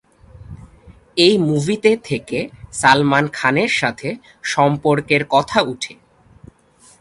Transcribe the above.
এই মুভিতে থেকে সালমান খানের সাথে সম্পর্কের কথা উঠে।